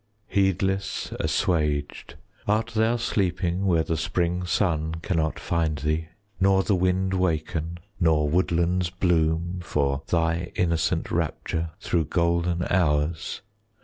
35 Heedless, assuaged, art thou sleeping Where the spring sun cannot find thee, Nor the wind waken, nor woodlands Bloom for thy innocent rapture Through golden hours?